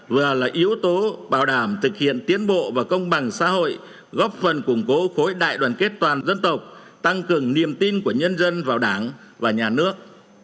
vừa là yếu tố bảo đảm thực hiện tiến bộ và công bằng xã hội góp phần củng cố khối đại đoàn kết toàn dân tộc tăng cường niềm tin của nhân dân vào đảng và nhà nước